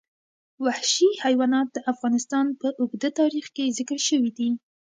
وحشي حیوانات د افغانستان په اوږده تاریخ کې ذکر شوي دي.